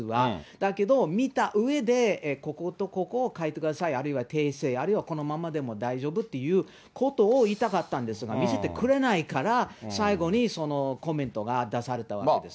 だけど見たうえで、こことここを変えてください、あるいは訂正、あるいはこのままでも大丈夫っていうことを言いたかったんですけど、見せてくれないから、最後にコメントが出されたわけです。